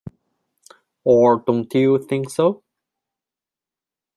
Or don't you think so?